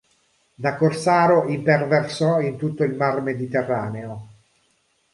Da corsaro imperversò in tutto il Mar Mediterraneo.